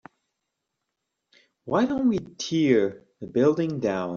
why don't we tear the building down?